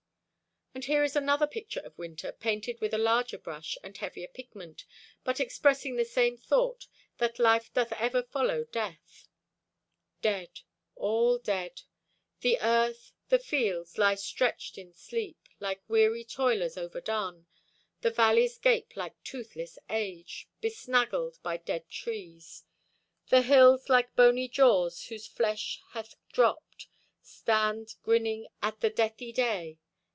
And here is another picture of winter, painted with a larger brush and heavier pigment, but expressing the same thought, that life doth ever follow death: Dead, all dead! The earth, the fields, lie stretched in sleep Like weary toilers overdone. The valleys gape like toothless age, Besnaggled by dead trees. The hills, like boney jaws whose flesh hath dropped, Stand grinning at the deathy day.